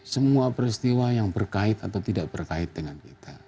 semua peristiwa yang berkait atau tidak berkait dengan kita